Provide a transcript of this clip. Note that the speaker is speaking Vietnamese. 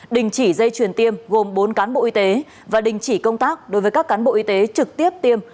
đình chỉ dây truyền tiêm gồm bốn cán bộ y tế và đình chỉ công tác đối với các cán bộ y tế trực tiếp tiêm